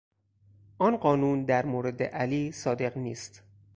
آن قانون در مورد علی صادق نیست.